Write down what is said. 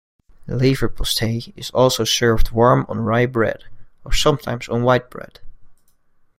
Leverpostej is also served warm on rye bread, or sometimes on white bread.